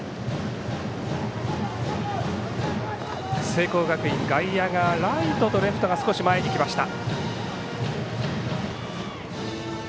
聖光学院、外野がライトとレフトが少し前に来ました。